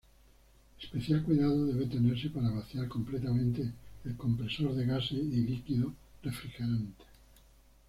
Especial cuidado debe tenerse para vaciar completamente el compresor de gases y líquidos refrigerantes.